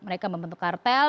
mereka membentuk kartel